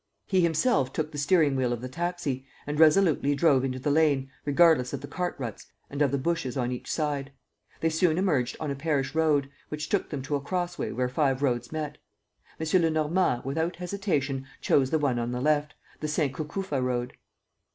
He himself took the steering wheel of the taxi, and resolutely drove into the lane, regardless of the cart ruts and of the bushes on each side. They soon emerged on a parish road, which took them to a crossway where five roads met. M. Lenormand, without hesitation chose the one on the left, the Saint Cucufa Road.